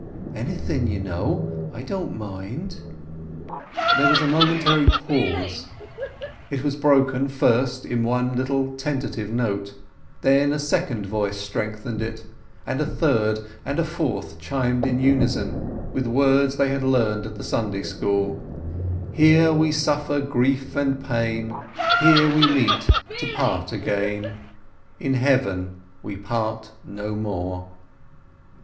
"Anything you know; I don't mind." There was a momentary pause; it was broken, first, in one little tentative note; then a second voice strengthened it, and a third and a fourth chimed in unison, with words they had learnt at the Sunday school— Here we suffer grief and pain, Here we meet to part again; In Heaven we part no more.